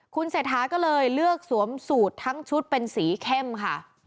คุณเศรษฐาก็เลยเลือกสวมสูตรทั้งชุดเป็นสีเข้มค่ะ